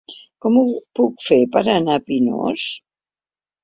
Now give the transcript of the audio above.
Com ho puc fer per anar al Pinós?